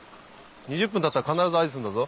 ２０分たったら必ず合図するんだぞ。